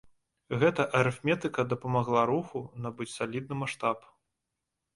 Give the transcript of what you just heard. Гэта арыфметыка дапамагла руху набыць салідны маштаб.